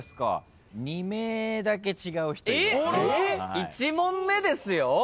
１問目ですよ？